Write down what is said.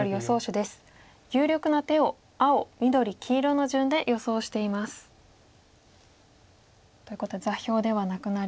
有力な手を青緑黄色の順で予想しています。ということで座標ではなくなり